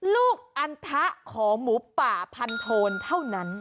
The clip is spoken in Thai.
ลูกอันทะของหมูป่าพันโทนเท่านั้น